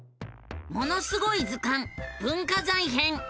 「ものすごい図鑑文化財編」！